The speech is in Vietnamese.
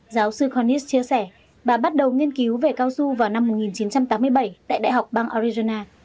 giáo sư kornis chia sẻ bà bắt đầu nghiên cứu về cao su vào năm một nghìn chín trăm tám mươi bảy tại đại học bang arizona